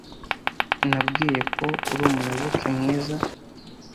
Nabwiye ko uri umuyoboke mwiza.